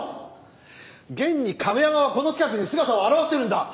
現に亀山はこの近くに姿を現してるんだ。